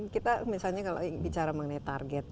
kita misalnya kalau bicara mengenai target